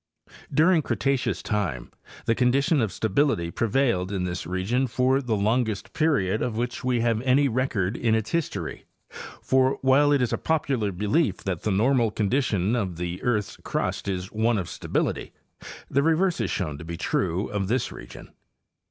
During Cretaceous time the condition of stability prevailed in this region for the longest period of which we have any record in its history; for, while it is a popular belief that the normal condition of the earth's crust is one of stability, the re verse is. shown to be true of this region.